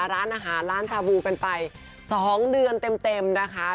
ร้านอาหารร้านชาบูกันไป๒เดือนเต็มนะคะ